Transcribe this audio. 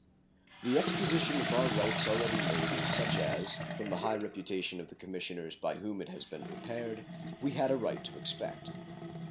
The exposition of our rights already made is such as, from the high reputation of the commissioners by whom it has been prepared, we had a right to expect.